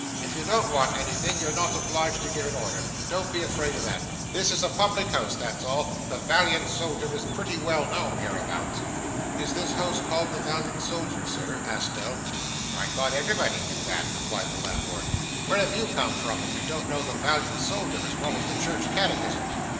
If you don't want anything, you are not obliged to give an order. Don't be afraid of that. This is a public house, that's all. The Valiant Soldier is pretty well known hereabouts.' 'Is this house called the Valiant Soldier, Sir?' asked Nell. 'I thought everybody knew that,' replied the landlord. 'Where have you come from, if you don't know the Valiant Soldier as well as the church catechism?